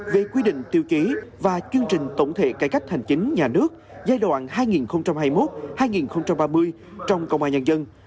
về quy định tiêu chí và chương trình tổng thể cải cách hành chính nhà nước giai đoạn hai nghìn hai mươi một hai nghìn ba mươi trong công an nhân dân